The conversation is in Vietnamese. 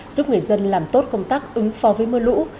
giúp người dân làm tốt công tác ứng phó với mưa lũ